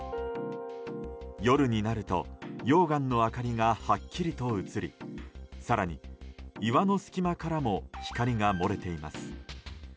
夜になると溶岩の明かりがはっきりと映り更に、岩の隙間からも光が漏れています。